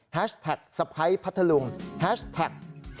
แฮชแท็กสะพัยพัทธรุงแฮชแท็ก๑๑๖๕